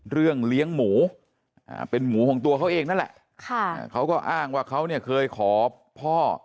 เลี้ยงหมูเป็นหมูของตัวเขาเองนั่นแหละค่ะเขาก็อ้างว่าเขาเนี่ยเคยขอพ่อ